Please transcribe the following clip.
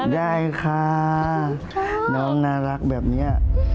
ได้ค่ะน้องน่ารักแบบนี้